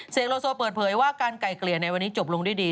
โลโซเปิดเผยว่าการไก่เกลี่ยในวันนี้จบลงด้วยดี